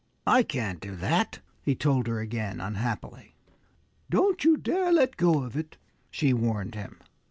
"I can't do that," he told her again, unhappily. "Don't you dare let go of it!" she warned him.